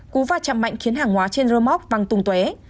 cú va chạm mạnh khiến hàng hóa trên rơ móc văng tung tué